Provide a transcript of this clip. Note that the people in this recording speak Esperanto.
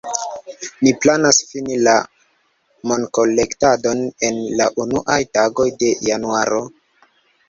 Ni planas fini la monkolektadon en la unuaj tagoj de januaro.